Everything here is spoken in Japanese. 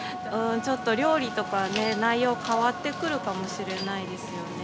ちょっと料理とかね、内容変わってくるかもしれないですよね。